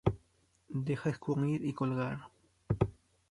Deja escurrir y colgar.